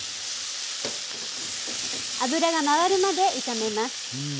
油が回るまで炒めます。